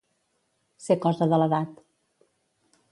Ser cosa de l'edat.